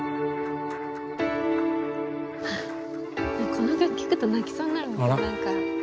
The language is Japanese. この曲聴くと泣きそうになるんですよ何か。